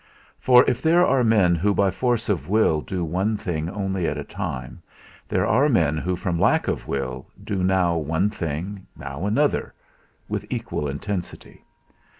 For, if there are men who by force of will do one thing only at a time, there are men who from lack of will do now one thing, now another; with equal intensity.